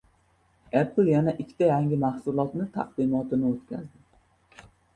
"Apple" yana ikkita yangi mahsulotni taqdimotini o‘tkazdi